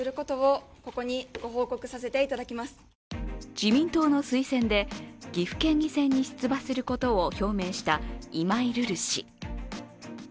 自民党の推薦で岐阜県議選に出馬することを表明した今井瑠々氏。